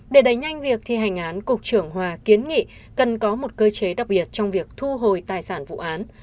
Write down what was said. để đẩy nhanh việc thi hành án cục trưởng hòa kiến nghị cần có một cơ chế đặc biệt trong việc thu hồi tài sản vụ án